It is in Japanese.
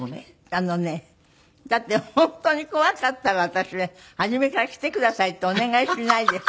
あのねだって本当に怖かったら私ね初めから来てくださいってお願いしないです。